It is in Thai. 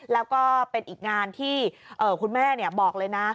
แล้วก็เป็นอีกงานที่คุณแม่บอกเลยนะ